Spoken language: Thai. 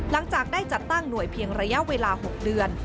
หลังจากได้จัดตั้งหน่วยเพียงระยะเวลา๖เดือน